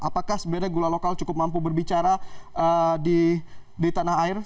apakah sebenarnya gula lokal cukup mampu berbicara di tanah air